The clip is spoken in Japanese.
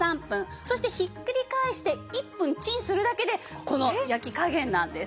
そしてひっくり返して１分チンするだけでこの焼き加減なんです。